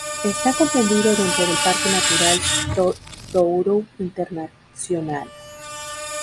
Está comprendido dentro del Parque Natural do Douro Internacional.